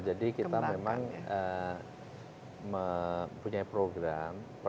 jadi kita memang punya program